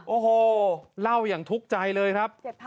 โอ้โหเล่าอย่างทุกข์ใจเลยครับ